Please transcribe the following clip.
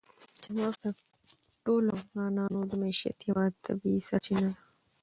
چار مغز د ټولو افغانانو د معیشت یوه طبیعي سرچینه ده.